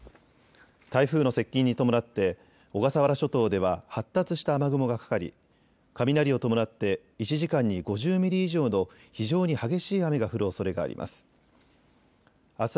台風の接近に伴って小笠原諸島では発達した雨雲がかかり雷を伴って１時間に５０ミリ以上の非常に激しい雨が降るおそれがあります。